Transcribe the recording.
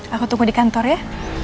aku tunggu di kantor ya